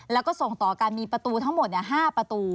แล้วก็ส่งต่อกันมีประตูทั้งหมด๕ประตู